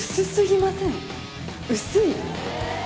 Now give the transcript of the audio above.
薄い。